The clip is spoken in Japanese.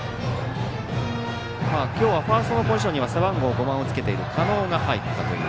今日はファーストのポジションには背番号５番をつけている狩野が入ったという。